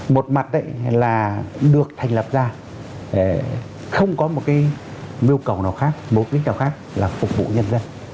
một mặt đấy là được thành lập ra không có một cái mưu cổng nào khác mối kích nào khác là phục vụ nhân dân